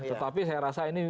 tetapi saya rasa ini